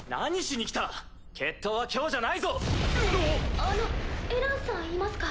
あのエランさんいますか？